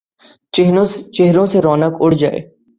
، چہروں سے رونق اڑ جائے ،